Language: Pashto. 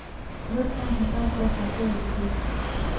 لطفا حساب په حروفو ولیکی!